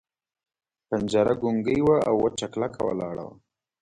پنجره ګونګۍ وه او وچه کلکه ولاړه وه.